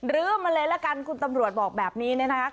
รื้อมาเลยละกันคุณตำรวจบอกแบบนี้นะครับ